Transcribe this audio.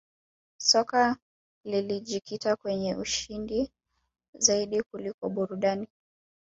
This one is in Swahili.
soka lilijikita kwenye ushindi zaidi kuliko burudani